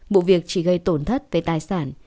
bộ việc chỉ gây tổn thất về tài sản